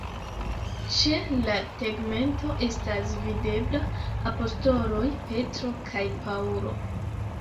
Ĉe la tegmento estas videbla apostoloj Petro kaj Paŭlo.